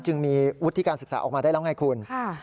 จึงมีวุฒิการศึกษาออกมาได้แล้วไงคุณ